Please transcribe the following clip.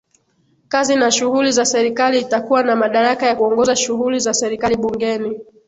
kazi na shughuli za Serikali atakuwa na madaraka ya kuongoza shughuli za serikali Bungeni